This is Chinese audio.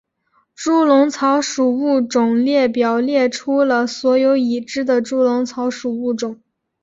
猪笼草属物种列表列出了所有已知的猪笼草属物种。